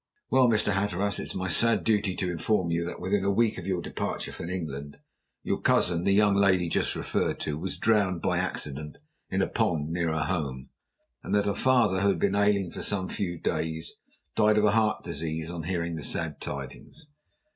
"Well, Mr. Hatteras, it is my sad duty to inform you that within a week of your departure from England your cousin, the young lady just referred to, was drowned by accident in a pond near her home, and that her father, who had been ailing for some few days, died of heart disease on hearing the sad tidings.